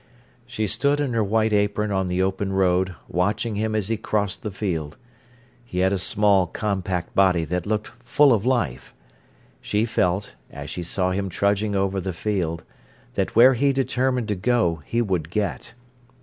She stood in her white apron on the open road, watching him as he crossed the field. He had a small, compact body that looked full of life. She felt, as she saw him trudging over the field, that where he determined to go he would get.